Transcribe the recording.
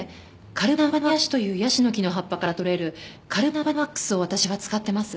カルナバヤシというヤシの木の葉っぱから採れるカルナバワックスを私は使ってます。